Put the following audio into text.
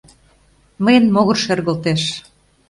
Мыйын могыр шергылтеш.